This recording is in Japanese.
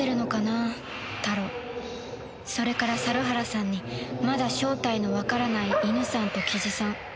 それから猿原さんにまだ正体のわからないイヌさんとキジさん